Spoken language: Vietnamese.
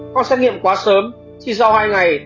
hoặc xét nghiệm quá sớm chỉ sau hai ngày